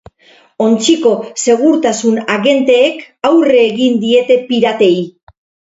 Ontziko segurtasun agenteek aurre egin diete piratei.